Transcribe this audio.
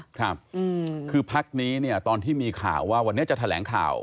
ครับคือพักนี้เนี่ยตอนที่มีข่าวว่าวันนี้จะแถลงข่าว